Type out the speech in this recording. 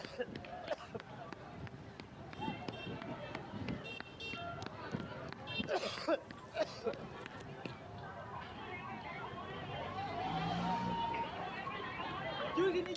ketepapdz muitas tradisi